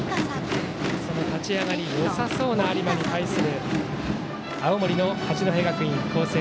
立ち上がり、よさそうな有馬に対する青森の八戸学院光星。